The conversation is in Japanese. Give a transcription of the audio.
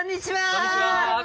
こんにちは。